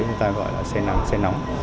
chúng ta gọi là say nắng say nóng